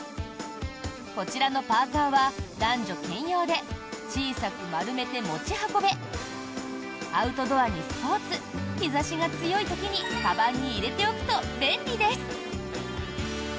こちらのパーカは男女兼用で小さく丸めて持ち運べアウトドアにスポーツ日差しが強い時にかばんに入れておくと便利です。